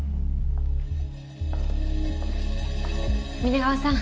皆川さん